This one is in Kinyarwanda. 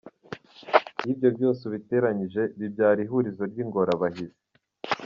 Iyo ibyo byose ubiteranyije, bibyara ihurizo ry’ingorabahizi.